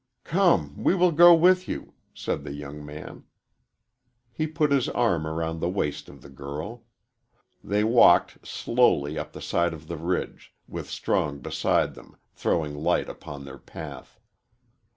"Come, we will go with you," said the young man. He put his arm around the waist of the girl. They walked slowly up the side of the ridge, with Strong beside them, throwing light upon their path.